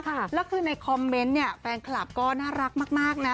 ค่ะแล้วคือในคอมเมนต์เนี่ยแฟนคลับก็น่ารักมากมากนะ